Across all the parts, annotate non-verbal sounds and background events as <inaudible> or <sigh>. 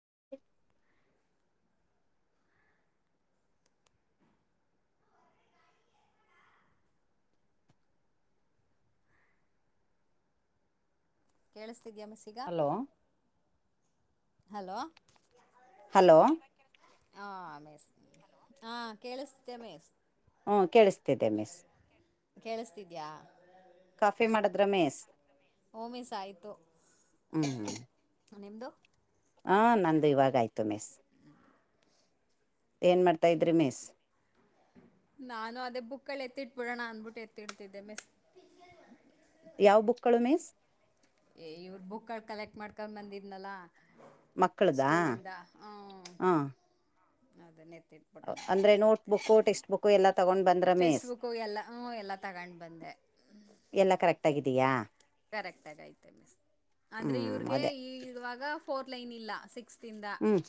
<inaudible> ಕೇಳಿಸ <unintelligible> hello hello. Hello. ಹಾ miss ಹಾ ಕೇಳಿಸುತ್ತಾ ಇದಾವೆ. ಹೂ ಕೇಳಿಸ್ತಿದೆ ಮಿಸ್. ಕೇಳಿಸತಿದ್ಯಾ. ಕಾಫಿ ಮಾಡದ್ರ ಮಿಸ್. ಹೂ ಮಿಸ್ ಆಯ್ತು. ನಿಮ್ದು ಹಾ ನಂದು ಇವಾಗ ಆಯ್ತು ಮಿಸ್ ಏನ್ ಮಾಡ್ತಾ ಇದ್ರಿ ಮಿಸ್. ನಾನು ಅದೇ ಬುಕ್ಕಲ್ಲಿ ಎತ್ತಿಇಟ್ಟಿಬಿಡೋಣ ಅಂದಬಿಟ್ಟು ಎತ್ತಿಡ್ತಿದ್ದೇ ಮಿಸ್. ಯಾವ ಬುಕ್ಗಳು ಮಿಸ್. ಏ ಇವರು ಬುಕ್ಗಳು ಕಲೆಕ್ಟ್ ಮಾಡ್ಕೊಂಡ್ ಬಂದಿದ್ನಲ್ಲಾ ಮಕ್ಕಳದಾ ಸ್ಕೂಲಿನಿಂದ ಹಾ ಹ ಅದನ್ನೇ ಅಂದ್ರೆ ನೋಟ್ ಬುಕ್ ಟೆಕ್ಸ್ಟ್ ಬುಕ್ ಎಲ್ಲ ತಗೊಂಡ್ ಬಂದ್ರ ಟೆಕ್ಸ್ಟ್ ಮಿಸ್ ಬುಕ್ಕು ಎಲ್ಲ ಹ್ಞೂ ಎಲ್ಲ ತಗೊಂಡು ಬಂದೆ ಎಲ್ಲಾ ಕರೆಕ್ಟ್ ಆಗಿದಯಾ. ಕರೆಕ್ಟ್ ಆಗ ಐತೆ ಮಿಸ್ ಅಂದ್ರೆ ಹ್ಮ್ ಇವ್ರಗೆ ಅದೇ ಈ ಇವಾಗ ಫೋರ್ ಲೈನ್ ಇಲ್ಲ <unintelligible> ಹ್ಮ್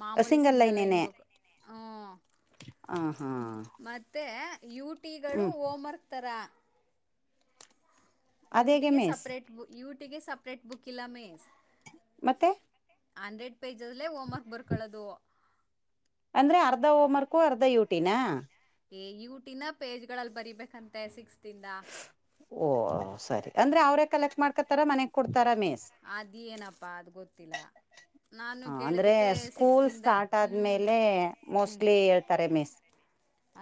ಮಾಮೂಲಿ ಸಿಂಗಲ್ ಲೈನ್ ಬುಕ್ ಹ ಹ ಹಾ ಮತ್ತೆ. ಯು ಟಿಗಳು ಹ್ಮ್ ಹೋಂವರ್ಕ್ ತರ. ಅದೇಗೆ ಯುಟಿಗೆ miss separate book separate book ಇಲ್ಲ ಮಿಸ್. ಮತ್ತೆ ಹಂಡ್ರೆಡ್ ಪೇಜಲ್ಲೇ ಹೋಮ್ ವರ್ಕ್ ಬರ್ಕೊಳ್ಳೋದು. ಅಂದ್ರೆ ಅರ್ಧ ಓಮರ್ಕೂ ಅರ್ಧ ಯುಟಿನ. ಯು ಟಿನ ಪೇಜ್ ಗಳಲ್ಲಿ ಬರಿಬೇಕಂತೆ ಸಿಕ್ಸ್ತ್ ಓ ಸರಿ ಅಂದ್ರೆ ಅವ್ರೇ ಕಲೆಕ್ಟ್ ಮಾಡ್ಕೊತಾರ ಮನೆ ಅದ್ ಏನಪ್ಪಾ ಅದು್ ಗೊತ್ತಿಲ್ಲ ನಾನು ಹ ಅಂದ್ರೆ ಕೇಳದಕ್ಕೆ ಸ್ಕೂಲ್ ಸಿಕ್ಸ್ಿಂದ ಸ್ಟಾರ್ಟ್ ಹ್ಮ್ ಆದ್ಮೇಲೆ ಹ್ಮ್ ಮೋಸ್ಟ್ಲಿ ಹೇಳ್ತಾರೆ ಮಿಸ್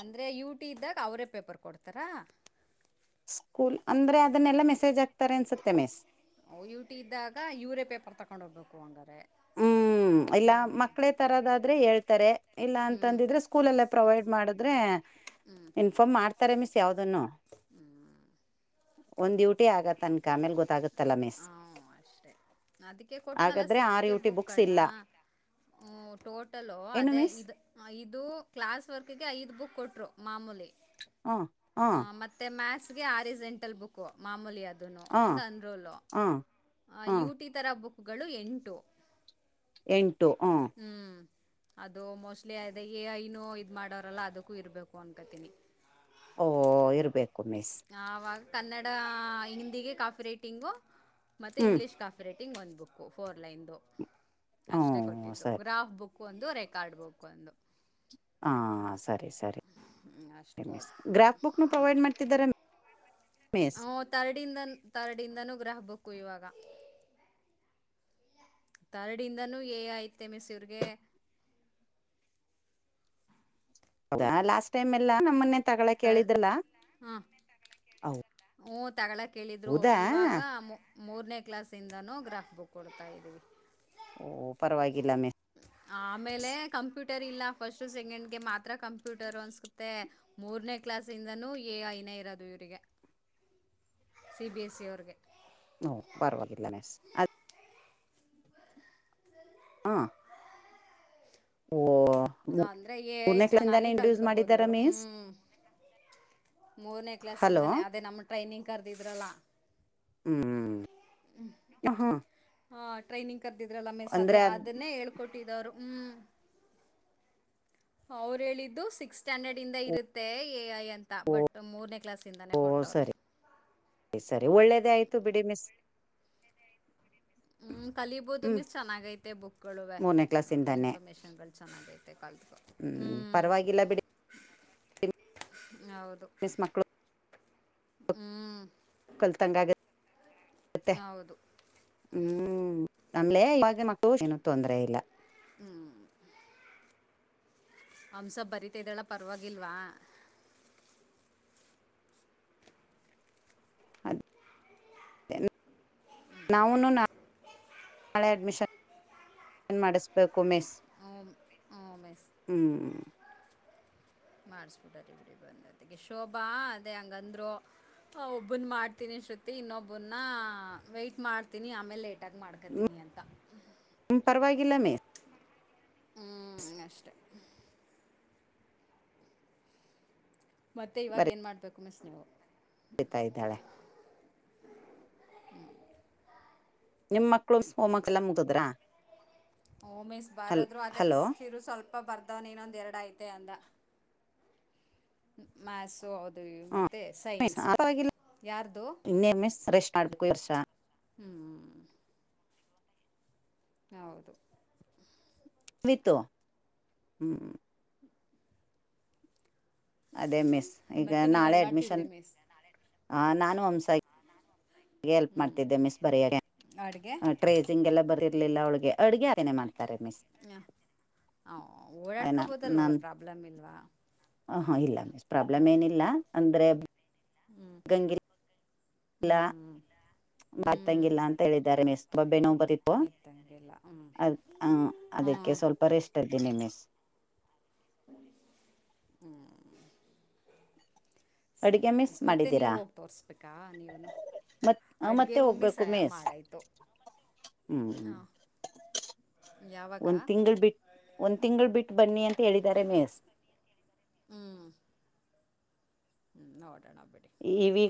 ಅಂದ್ರೆ ಯುಟ್ದಾಗ ಅವರೇ ಪೇಪರ್ ಕೊಡ್ತಾರಾ ಸ್ಕೂಲ್ ಅಂದ್ರೆ ಅದನ್ನೆಲ್ಲಾ ಮೆಸೇಜ್ ಆಕ್ತ ಯು ಟಿ ಇದ್ದಾಗ ಯುರೇ ಪೇಪರ್ ತಗ ಕೊಂಡೋೋಗಬೇಕು ಹಂಗಾರೆ ಹ್ಮ್ ಇಲ್ಲ ಮಕ್ಕಳೇ ತರದಾದ್ರೆ ಹೇಳ್ತಾರೆ ಇಲ್ಲ ಹ್ಞೂ ಅಂತಂದಿದ್ರೆ ಸ್ಕೂಲ್ಲ್ಲ ಪ್ರೊವೈಡ್ ಮಾಡಿದ್ರೆ ಇನ್ಫಾರ್ಮ್ ಮಾಡ್ತಾರೆ ಮಿಸ್ ಯಾವ್ದನ್ನು ಹ್ಞೂ ಒಂದ್ ಡೂಟಿ ಆಗತ್ತ ಅನ್ಕ ಆಮೇಲೆ ಗೊತ್ತಾಗತ್ತಲ್ಲಾ ಮಿಸ್ ಅದಕ್ಕೆ ಕೊಟ್ನಲ್ಲ ಹಾಗಾದ್ರೆ six R UT book books ಇಲ್ಲ ಟೋಟಲ್ ಏನು ಅದೇ ಮಿಸ್ ಇ ಇದು ಕ್ಲಾಸ್ ವರ್ಕ್ ಗೆ ಐದು ಬುಕ್ ಕೊಟ್ರು ಮಾಮೂಲಿ ಹ ಮತ್ತೆ ಮ್ಯಾಸ್ ಆಜೆಂಟಲ್ ಬುಕ್ು ಮಾಮೂಲಿ ಅದು ಅದ ಹ ಒಂದು ಅನ್ರೂಲ ಹ ಆ ಹ ಯುಟಿ ತರ ಬು ಎಂಟು ಎಂು ಟ್ಟು ಹ ಹ್ಞೂ ಅದು ಮೋಸ್ಟ್ಲಿ ಅ ಐನು ಇದು ಮಾಡೋಾರಲ್ಲ ಅದಕ್ಕೂ ಇರಬೇಕು ಅನ್ಕತೀನಿ ಓಹ ಇರ್ಬೇಕು ಮಿಸ್ ಆವಾಗ ಕನ್ನಡ ಹಿಂದಿಗೆ ಕಾಫಿ ರೈಟಿಂಗು ಹ್ಮ್ ಮತ್ತೆಂಗ್ೀಷ್ಾಫ್ರೆ ಟಿಂಗ್ ಒಂದು ಬುಕ್ಕು ಫೋರ್ ಲೈನ್ದು ಅಷ್ಟೇ ಹ್ಮ ಕೊಟ್ಟಿದ್ದು ಸರಿ ಗ್ರಾಫ್ ಬುಕ್ ಬ ಒಂದು ರೆಕಾರ್ಡ್ ಬಕ್ ಒಂದು ಹಾ ಸರಿ ಸರಿ ಅಷ್ಟು ಮ ಗ್ರಾಫ್ ಬುಕ್ ಪ್ರೊವೈಡ್ ಮಾಡ್ತಿದ್ದಾರೆ ಮಿಸ್ ಹ ತರಡಿಂದ ತರಡಿಂದನೂ ಗ್ರಹ ಬಕ್ಕು ಇವಾಗ ತರಡಿಂದನೂ ಏ ಐತೆ ಮಿಸಿ್ರಗೆ ಹೌದಾ ಲಾಸ್ಟ್ ಟೈಮ್ ಎಲ್ಲ ನ ಮೊನ್ನೆ ತಗಳ ತ ಕೇಳಿದ್ದಲ್ಲ ತಗಗಳಲ ಕೇಳಿದ್ರು ಇವಾಗ ಮೂರನೇ ಕ್ಲಾಸಿಂದನೂ ಗ್ರಾಫ್ ಬುಕ್ ಕೊಡ್ತಾಯ್ದೀವಿ ಓಹ ಪರವಾಗಿಲ್ಲ ಮೆ ಆಮೇಲೆ ಕಂಪ್ಯೂಟ್ ರ್ ಇಲ್ಲ ಫಸ್ಟ್ ಸೆಕೆಂಡ್ಗೆ ಮಾತ್ರ ಕಂಪ್ಯೂಟರ್ ಅನ್ಸ್ಕುತ್ತೆ ಮೂರನೇ ಕ್ಲಾಸ್ಿಂದ ಎ ಐನೇ ಇರೋದು ಇವರಿಗೆ ಸಿ ಬಿ ಎಸ್ ಸಿ ಅವಗೆ ಹ ಪರವಾಗಿಲ್ಲ ನೆಸ್ ಅ ಹಾ ಓ ಅಂದ್ರೆ ಏ ಮೂರನೇ ಕ್ಲಾಸ್ಇಂದಾನೇ ಚೆನ್ನಾಗಿ ಇಂಟ್ರೊಡ್ಯೂಸ್ ಕಲ್ತ್ಕೊಬೋದು ಮಾಡಿದ್ದಾರ ಇವ್ರು ಮಿಸ್ ಹ್ಮ್ ಮೂರನೇ ಹಲೋ ಕ್ಲಾಸ್ಿಂದಾನೇ ಅದೇ ನಮ್ಮ ಟ್ರೈನಿಂಗ್ ಕರ್ದಿದ್ರಲ್ಲ ಹ್ಮ್ ಹ ಹಾ ಟ್ರೈನಿಂಗ್ ಕದಿದ್ರಲ್ಲ ಮೇ ಅದೇ ಅದ್ ಅದನ್ನೇ ಹೇಳ್ಕೊಟ್ಟಿದ್ರು ಹ್ಮ್ ಅವ್ರು ಹೇಳಿದ್ದು ಸಿಕ್ಸ್ ಸ್ಟ್ಯಾಂಡರ್ಡ್ ಇಂದ ಇರುತ್ತೆ ಎಐ ಅಂತ ಬಟ್ ಮೂರನೇ ಕ್ಲಸ್ಿಂದಾನೇ ಓ ಕೊಟ್ಟವರು ಸರಿ ಬಿಡ ಮಿಸ ಹ್ಮ್ ಕಲಬೋದು ಮೀಸ್ ಚೆನ್ನಾಗೈತೆ ಬುಕ್ಗಳುುವೆ ಮೂರನೇ ಕ್ಲಾಸ್ಇಂದಾನೇ ಇನ್ಫರ್ಮೇಶನ್ಗಳು ಚೆನ್ನಾಗೈತೆ ಕಲ್ತ್ ಹ್ಮ್ ಪರವಾಗಿಲ್ಲ ಬಿಡಿ ಹೌದು ಮಿಸ್ ಮಕ್ಕಳು ಹ್ಮ್ ಕಲ್ತಂಗ ಆಗತ್ತೆ ಮತ್ತ ಹೌದು ಹ್ಮ್ ನಮಲೆ ಮಕ್ಕಳುನ ತೊಂದರೆ ಇಲ್ಲ ಹಂಸ ಬರೀತ್ದಳ ಪರವಾಗಿಲ್ವಾ ಅದ ನಾಾವ ನಾಳೆ ಅಡ್ಮಿಷನ್ ಮಾಡಿಸಬೇಕು ಕಮೇಶ್ಞ ಹ್ಞೂ ಹ್ಞೂ ಮಾಡಿಸಬಿಡರಿಬಿ ಬಂದತೆಿಗೆ ಶೋಭಾ ಅದೇ ಹಂಗಂದ್ರು ಒಬ್ಬನ್ ಮಾಡ್ತೀನಿ ಅನ್ ಸತಿ ಇನ್ನೊಬ್ಬನ್ನ ವೈ್ಟಟ್ ಮಾಡ್ತೀನಿ ಆಮೇಲೆ ಲೇಟ್ ಅಟಕ್ ಮಾಡ್ಕೊತೀನಿ ಅಂತ ಲ ಮೇ ಹ್ಮ್ ಅಷ್ಟ ಮತ್ತೆ ಇವಾಗ ಏನ್ ಮಾಡ್ಬೇಕು ಮಿಸ್ ನೀವು ಹತಾ ಇದ್ದಾಳೆ ನಿಮ್ಮ ಮಕ್ಳು ಮೋಮ್ಮಕ್ಕೆಲ್ಲ ಮುಗಿದ್ರಾ ಓ ಮಿಸ್ ಬಾರದ್ರು ಅದೇ ಕಿರು ಸ್ವಲ್ಪ ಅಪ್ಪ ಬರ್ದವನ ಇನೊಂದ ಎರಡು ಐತೆ ಅಂದ ಮಸುೌದು ಹ ಮ ಯಾರ್ದು ಇನ್ನೇ ಮೀ್ ರೆಸ್ ಮಾಡ್ಬೇಕು ವರ್ಷ ಹೌದು ನಿತ್ತು ಹ್ಮ್ ಅದೇ ಮ್ ಈ ಮತ್ತೆ ನಾಳೆ ನೀವೇನು ಅಡ್ಮ ಮಾಡ್ತಿದ್ರಿ ಮಿಸ್ ನ ಒಮ್ಸಾ ಹೆಲ್ಪ್ ಮಾಡ್ತಿದ್ದೆ ಮಿಸ್ ಬರಿಯ ಅಡುಗೆ ಟ್ರೇಸಿಂಗ್ ಎಲ್ಲ ಬರ ಇಲಿಲ್ಲಳಿಗೆ ಅಡುಗೆ ಮಾಡ ಮ ಓಡಾಡ್ಕೋಬೋದಲ್ವ ನ ಪ್ರಾಬ್ಲಮ್ ಇಲ್ವಾ ಇಲ್ಲ ಮಿಸ ಪ್ರಾಬ್ಲಮ್ ಹ್ಞೂ ಏನಿಲ್ಲ ಅಂದ್ರೆ ಹ್ಞೂ ಹ್ಮ್ ಅತಂಗಿಲ್ಲತಂಗಿಲ್ಲ ಅಂತ ಹೇಳಿದ್ದಾರೆ ಮಿಸ್ ಬಬೆನೊ ಬರಿತ ಪೊ ಎತ್ತಂಗಿಲ್ಲ ಹ್ಮ್ ಹಾ ಅದಕ್ಕೆ ಸ್ವಲ್ಪ ರೆಷ್ಟ ಇದ್ದೀನಿ ಮಿಸ್ ಹಹೂ ಅಡ್ಗೆ ಮೀಸ್ ಮಾಡಿದೀರಾ ತೋರಿಸ್ಬೇಕಾ ನೀವುನು ಮ ಅಡುಗೆ ಮತ್ತೆ ಒಮ್ಮಿ ಸ ಹೋಗ್ಬೇಕು ಮಿಸ್ ಮಾಡಾಯಿತು ಹೂ ಹಾಂ ಯಾವಾಗ ಒಂದ್ ತಿಂಗಳು ಬಿಟ್ಟ ಒಂದ್ ತಿಂಗಳು ಬಿಟ್ಟ ಬನ್ನಿ ಅಂತ ಹೇಳಿದ್ದಾರೆ ಮೇಸ್ ಹೂ ಹೂ ನೋಡಿ ಇವಿ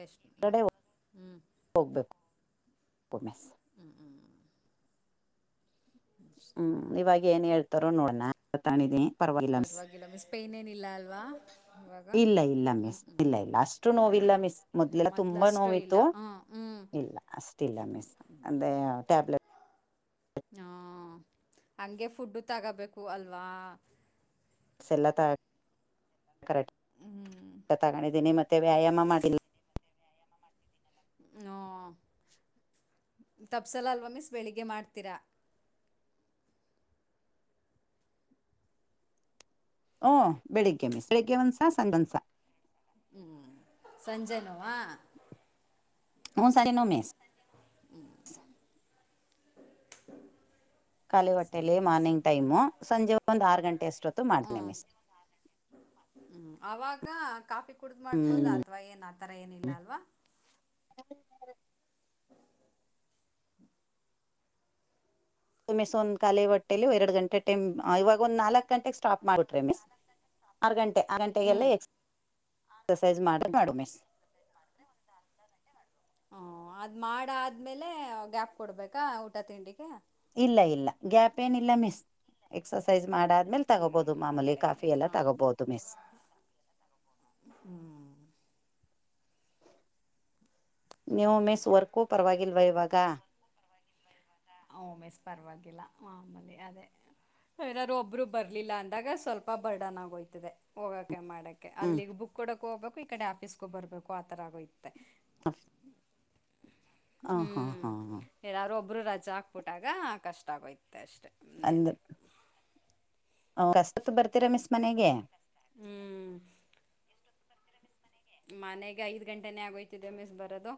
ರೆಸ್ಟ್ ಹ್ಞೂ ಹೋಗ್ಬೇಕು ಒಮೆ ಹೂ ಹೂ ಹೂ ಇವಾಗ ಏನ್ ಹೇಳು ತರೋ ನೋಡಣ ತಿದಿ ಪರ್ವಾಗಿಲ್ಲ ಮಿಸ್ ಪರವಾಗಿಲ್ಲ ಪೈನ್ ಏನಿಲ್ಲ ಅಲ್ವಾ ಇವಾಗ ಇಲ್ಲ ಇಲ್ಲ ಮಿಸ್ ಅಷ್ಟು ನೋವಲ್ಲ ಮಿಸ್ ಮೊದ್ಲೆಲ್ಲ ತುಂಬಾ ಮೊದಲಷ್ಟು ಇಲ್ಲ ನೋವಿತ್ತು ಹಾಂ ಹ್ಞೂ ಇಲ್ಲ ಅಷ್ಟಲ್ಲ ಮಿಸ್ ಅೇ ಟ್ಯಾಬ್ಲೆಟ್ ಹಾ ಹಂಗೆ ಫುಡ್ ತಗೋಬೇಕು ಅಲ್ವಾ ಸ ಎಲ್ಲ ತ ಕರಾಟಿ ತಗೊಂಡಿದ್ದೀನಿ ಮತ್ತೆ ವ್ಯಾಯಾಮ ಮಾಡಿಲ್ಲ ಹೂ ತಪ್ಸಲ ಅಲ್ವ ಮಿಸ್ ಬೆಳಿಗ್ಗೆ ಮಾಡ್ತೀರಾ ಹೂ ಬೆಳಿಗ್ಗೆ ಮಿಸ್ ಬೆಳಿಗ್ಗೆ ಒಂದಸ ಸಾಯಂಕಾಲ ಹೂ ಸಂಜೆನೋವಾ ಹ ಸರಿ ನೋಮಸ್ ಹ ಖಾಲಿ ಹೊಟ್ಟೆಯಲ್ಲಿ ಸರಿ ಮಿಸ್ ಮಾರ್ನಿಂಗ್ ಹಂಗಾದ್ರೆ ಟೈಮು ಸಂಜೆ ಒಂದು ಆರು ಗಂಟೆ ಅಷ್ಟೊತ್ತು ಮಾಡನಿ ಮಿಸ್ ಹೂ ಅವಾಗ ಕಾಫಿ ಕುಡ್ದ್ ಮಾಡ್ಬೋದ ಹ್ಮ್ ಅಥವಾ ಏನ್ ಆತರ ಏನಿಲ್ಲ ಅಲ್ವಾ ಹೂ ಮಿಸ್ ಒಂದ್ ಖಾಲಿ ಹೊಟ್ಟೇೆಯಲ್ಲಿ ಎರಡು ಗಂಟೆ ಟೈಮ್ ಇವಾಗ ಒಂದ್ ನಾಲ್ಕಕ್ ಗಂಟೆಗೆ ಸ್ಟಾಪ್ ಮಾಡಿಬಿಟ್ರಿ ಮಿಸ್ ಆರು ಗಂಟೆ ಆ ಗಂಟೆಗೆಲ್ಲ ಹ್ಮ್ ಹೆ ಎಕ್ಸರ್ಸೈಜ್ ಮಾಡ ಮಾಡು ಮಿಸ್ ಹೂ ಅದ್ ಮಾಡ ಆದ್ಮೇಲೆ ಗ್ಯಾಪ್ ಕೊಡ್ಬೇಕಾ ಊಟ ತಿಂಡಿಗೆ ಇಲ್ಲ ಇಲ್ಲ ಗ್ಯಾಪ್ ಏನಿಲ್ಲ ಮಿಸ್ ಎಕ್ಸಸೈಸ್ ಮಾಡಾದ್ಮೇಲೆ ತಗೋಬಹುದು ಹ್ಮ್ ಮಾಮೂಲಿ ಆತರ ಕಾಫಿ ಏನಿಲ್ಲ ಎಲ್ಲ ತಗೋಬಹುದು ಮಿಸ್ ನ್ಯೋ ಮೆಸ್ ವರ್ಕೋ ಪರವಾಗಿಲ್ವ ಇವಾಗ ಮೆಸ್ ಪರವಾಗಿಲ್ಲ ಆಮಲಿ ಅದೇ ಯನಾದಾರೂ ಒಬ್ರು ಬರ್ಲಿಲ್ಲ ಅಂದಾಗ ಸ್ವಲ್ಪ ಬರ್ಡನ್ ಆಗೋಯ್ತದೆ ಹೋಗ ಮಾಡೆ ಹ್ಮ್ ಅಲ್ಲಿಗ್ ಬುಕ್ ಕೊಡಕ್ ಹೋಗ ಈ ಕಡೆ ಆಫೀಸ್ಗ ಬರ್ಬೇಕು ಆ ತರ ಆ ಹ ಹ ಹಾ ಹಾ ಹಾ ಗರು ರಜ ಹಾಕ್ಬಿಟ್ಟಾಗ ಕಷ್ಟ ಆಗೋಯ್ತೆ ಅಷ್ಟೇ ಅಂದು ಅವರ್ ಅಷ್ಟೊತ್ತಿಗೆ ಬರ್ತೀರಾ ಮಿಸ್ ಮನೆಗೆ ಹ್ಮ್ ಮನೆಗೆ ಐದ್ ಗಂಟೆನೆೇ ಆಗೋಯ್ತಿದೆ ಮಿಸ್ ಬರದು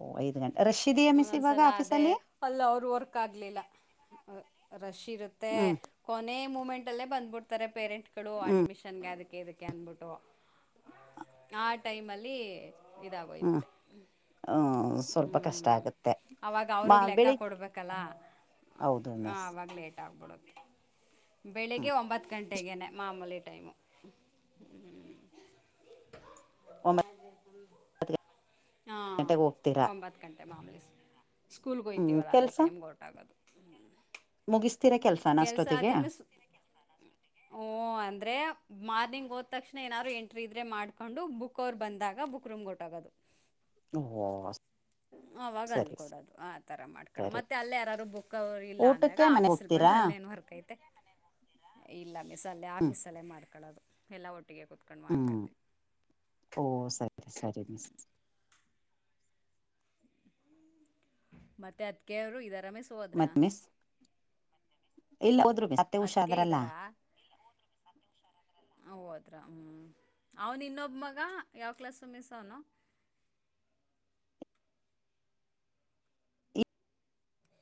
ಓ ಐದು ಗಂಟೆ ರಶ್ ಇದೆಯಾ ಮಿಸ್ ಇವಾಗ ಒಂದೊಂದ್ಸಲ ಅದೇ ಆಫೀಸಲ್ಲಿ ಅಲ್ಲ ಅವರು ವರ್ಕ್ ಆಗ್ಲಿಲ್ಲ ಹ ರಶ್ ಇರುತ್ತೆ ಹ್ಮ್ ಕೊನೆ ಮೂಮೆಂಟ್ ಅಲ್ಲೇ ಬಂದ್ಬಿಡುತ್ತಾರೆ ಪೇರೆಂಟ್ ಇಡೋ ಹ್ಮ್ ಅಡ್ಮಿಷನ್ ಗ ಕ್ಕೆ ಅನ್ಬಿಟ್ಟು ಆ ಟೈಮ್ ಅಲ್ಲಿ ಹ್ಮ್ ಇದಾಗೋಯುತ್ತೆ ಹ್ಮ ಸ್ವಲ್ಪ ಕಷ್ಟ ಆಗುತ್ತೆ ಅವ್ರಿಗೆ ಲೆಕ್ಕ ಬೆಳಿಗ್ ಕೊಡಬೇಕಲ್ಲ ಹೌದು ಮಿಸ್ ಆಗ್ಬಿಡುತ್ತೆ ಬೆಳಿಗ್ಗೆ ಹ್ಮ್ ಒಂಬತ್ತು ಗಂಟೆ ತೆಗೆನೆ ಮಾಮೂಲಿ ಟೈಮು ಒಂಬತ್ತು ಹಾ ಗಂಟೆಗೆ ಹೋಗ್ತೀರಾ ಒಂಬತ್ತು ಗಂಟೆ ಮಾಮೂಲಿ ಸ್ಕೂಲ್ಗೆ ಹ್ಮ್ ಹೊಯ್ತಿವಲ್ಲ ಅದ ಟೈಮ್ಗೆ ಹೊರಟೊಗೊದು ಹ್ಮ ಮುಗಿಸ ಕೆಲ್ಸ ಅದ ಮಿಸ್, ಓ ಅಂದ್ರೆ ಮಾರ್ನಿಂಗ್ ಹೋದ ತಕ್ಷಣ ಏನಾದ್ರು ಎಂಟ್ರಿ ಇದ್ದರೆ ಮಾಡ್ಕೊಂಡು ಬುಕ್ ಅವ್ರು ಬಂದಾಗ ಬುಕ್ ರೂಂಗೊಂಟೊಗದು ಓ ಅವಾಗ ಸರಿ ಅಲ್ಕೊಡೋದು ಆ ತರ ಮಾಡ್ಕೊಡ ಸರಿ ಮತ್ತೆ ಅಲ್ಲಿ ಯಾರಾದಾರೂ ಬುಕ್ ಇಲ್ಲ ಅಂದಾಗ ಊಟಕ್ಕೆ ಮನೆ ಆಫೀಸ ಬಂದು ಹೋಗ್ತೀರಾ ಅಲ್ಲೇ ಏನ್ ವರ್ಕ್ ಐತೆ ಇಲ್ಲ ಮಿಸ್ ಅಲ್ಲೇ ಹ್ಮ್ ಆಫೀಸ್ ಅಲ್ಲೇ ಮಾಡ್ಕೊಳ್ಳೋದು ಎಲ್ಲಾ ಒಟ್ಟ ಹ್ಮ್ ಓ ಸರಿ ಸರಿ ಮಿಸ್ ಮತ್ತೆ ಅದಕವರು ಇದ ಮತ್ತ ಮಿಸ್ ಇಲ್ಲ ಹೋದರು, ಮತ್ತೆ ಅದಕ್ಕೆ ಹುಷಾರಾದ್ರಲ್ಲ ಹ ಹೋದ್ರ ಹ್ಮ್ ಅವನು ಇನ್ನೊಬ್ ಮಗ ಯಾವ ಕ್ಲಾಸು ಮಿಸ್ ಅವನು?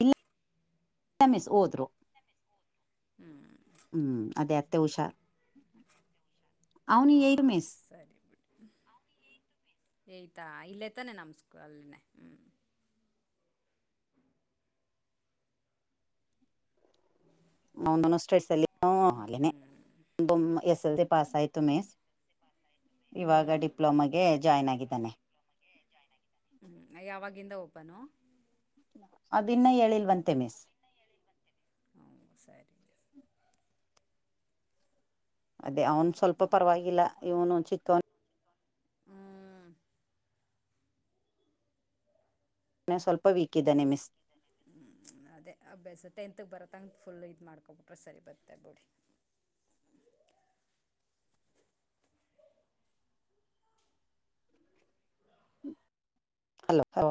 ಇಲ್ಲ ಲ್ಲ ಮಿಸ್ ಹೋದ್ರು ಹ್ಮ್ ಹ್ಮ್ ಅದೇ ಅತ್ತೆ ಉಷಾ ಹಾ ಏರು ಮಿಸ್ ಸರಿ ಬಿಡ್ ಏತ್ತಾ ಇಲ್ಲೇ ತಾನೆ ನಮ್ಮ ಸ್ಕೂ ಅಲ್ಲಿನೇ ಹ್ಮ್. ಮೌನ್ ಮನ್ ಸ್ಟೇಟ್ಸಲ್ಲಿ ಹ ಅಲ್ಲೆನೇ ಹ್ಞೂ ಬೊಮ್ ಎಸ್ ಜಲ್ದಿ ಪಾಸ್ ಆಯತು ಮಿಸ್ ಇವಾಗ ಹ್ಮ್ ಡಿಪ್ಲೊಮಗೆ ಜಾಯ್ನ್ ಆಗಿದ್ದಾನೆ. ಹ್ಮ್ ಯಾವಾಗಿಂದ ಹೋಗ್ ಒಪ್ಪನು ಅದಿನ್ನ ಹೇಳಿಲ್ವಂತೆ ಮಿಸ್ ಹ ಸರಿ ಅದೇ ಅವನು ಸ್ವಲ್ಪ ನೋಡ ಬಿಡಿ ಪರವಾಗಿಲ್ಲ ಹ್ಞೂ ಇವನು ಚಿಕ್ಕವನ್ ನ್ನ ಸ್ವಲ್ಪ ವೀಕ್ ಇದ್ದಾನೆ ಮಿಸ್. ಹ್ಞೂ ಅದೇ ಅಭ್ಯಾಸ ಟೆಂತ್ಗೆ ಬರೋ ತಂಗೆ ಫುಲ್ ಇದು ಮಾಡ್ಕೊಬಿಟ್ರೆ ಸರಿ ಬರ್ತಾರ್ ಬುಡಿ. ಹಲೋ